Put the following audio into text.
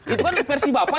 itu kan versi bapak